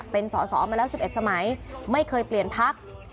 เป็นสอสอมาแล้ว๑๑สมัยไม่เคยเปลี่ยนพัก